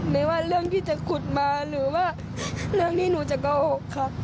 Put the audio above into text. ไม่ว่าเรื่องที่จะขุดมาหรือว่าเรื่องที่หนูจะโกหกค่ะ